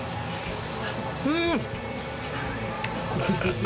うん！